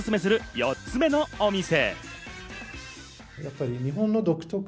４つ目のお店。